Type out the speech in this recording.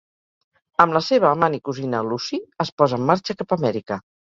Amb la seva amant i cosina, Lucy, es posa en marxa cap a Amèrica.